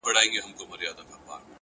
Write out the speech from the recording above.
مثبت لید خنډونه کوچني کوي.